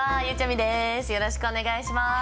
よろしくお願いします。